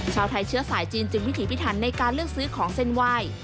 ชาวไทยเชื้อสายจีนจึงวิถีพิถันในการเลือกซื้อของเส้นไหว้